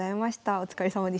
お疲れさまでした。